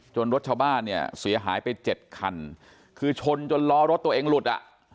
รถชาวบ้านเนี่ยเสียหายไปเจ็ดคันคือชนจนล้อรถตัวเองหลุดอ่ะ